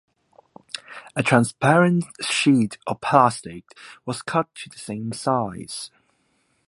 A transparent sheet of plastic was cut to the same size.